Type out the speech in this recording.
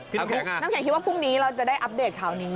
น้ำแข็งคิดว่าพรุ่งนี้เราจะได้อัปเดตข่าวนี้